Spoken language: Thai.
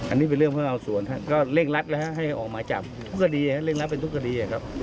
อันนี้เป็นเรื่องเพิ่มเอาสวนก็เรียกรัฐให้ออกมาจับทุกคดี